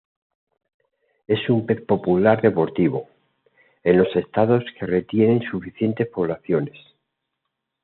Es un pez popular deportivo, en los Estados que retienen suficientes poblaciones.